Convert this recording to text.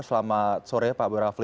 selamat sore pak boy rafli